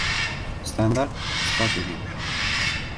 Standart – sifat degani